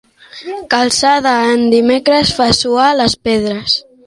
Calçada en dimecres fa suar les pedres.